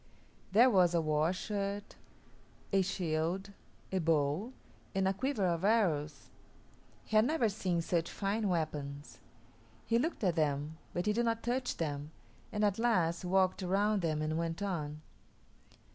There was a war shirt, a shield, a bow, and a quiver of arrows. He had never seen such fine weapons. He looked at them, but he did not touch them, and at last walked around them and went on.